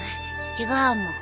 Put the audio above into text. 違うもん。